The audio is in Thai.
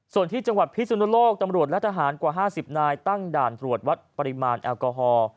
ส่วนที่จังหวัดพิสุนโลกตำรวจและทหารกว่า๕๐นายตั้งด่านตรวจวัดปริมาณแอลกอฮอล์